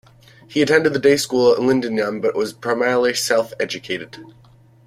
He attended the day school at Llandinam but was primarily self-educated.